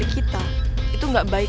maka kita harus menggunakannya